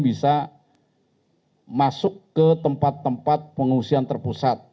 bisa masuk ke tempat tempat pengungsian terpusat